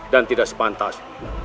dan tidak sepantas